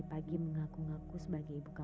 bukannya apa bu bu nita